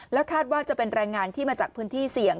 คาดว่าจะเป็นแรงงานที่มาจากพื้นที่เสี่ยง